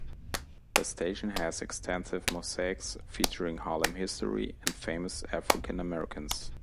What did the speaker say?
The station has extensive mosaics featuring Harlem history and famous African-Americans.